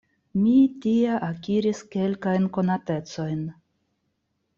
Mi tie akiris kelkajn konatecojn.